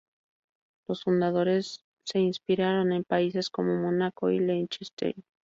Los fundadores se inspiraron en países como Mónaco y Liechtenstein.